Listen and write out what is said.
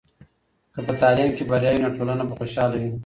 که په تعلیم کې بریا وي، نو ټولنه به خوشحاله وي.